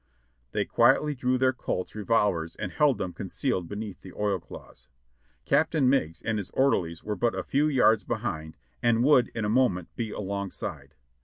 They quietly drew their Colt's revolvers and held them concealed beneath the oilcloths. Captain Meigs and his orderlies were but a few yards behind, and would in a moment be alongside.